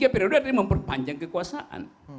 tiga periode adalah memperpanjang kekuasaan